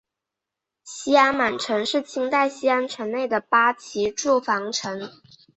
西安满城是清代西安城内的八旗驻防城。